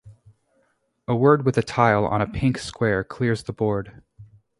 A word with a tile on a pink square clears the board.